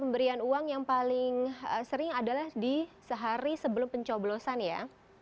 pemberian uang yang paling sering adalah di sehari sebelum pencoblosan ya